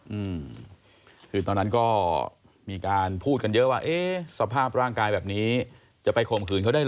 อืมคือตอนนั้นก็มีการพูดกันเยอะว่าเอ๊ะสภาพร่างกายแบบนี้จะไปข่มขืนเขาได้เห